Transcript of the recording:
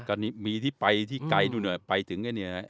ก็มีที่ไปที่ไกลไปถึง